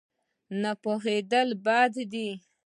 نه پوهېدل بد دی.